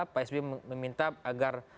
pak sbm meminta agar